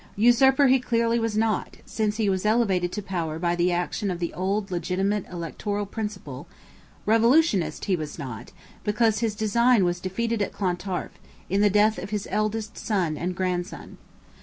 Usurper he clearly was not, since he was elevated to power by the action of the old legitimate electoral principle; revolutionist he was not, because his design was defeated at Clontarf, in the death of his eldest son and grandson.